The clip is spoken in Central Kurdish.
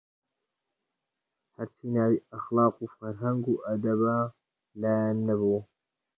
هەرچی ناوی ئەخلاق و فەرهەنگ و ئەدەبە لایان نەبوو